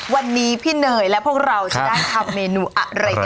วันนี้พี่เนย์และเราจะทำเมนูอะไรนะ